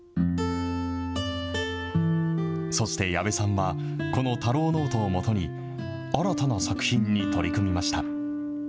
そして矢部さんは、このたろうノートを基に、新たな作品に取り組みました。